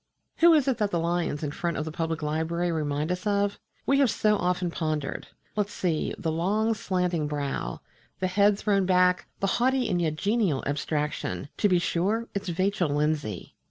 Who is it that the lions in front of the Public Library remind us of? We have so often pondered. Let's see: the long slanting brow, the head thrown back, the haughty and yet genial abstraction to be sure, it's Vachel Lindsay!